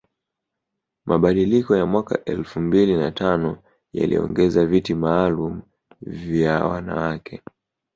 Mabadiliko ya mwaka elfu mbili na tano yaliongeza viti maalum vya wanawake